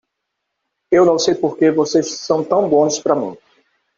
Eu não sei porque vocês são tão bons para mim.